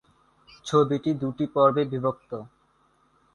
ছবিটি দুটি পর্বে বিভক্ত।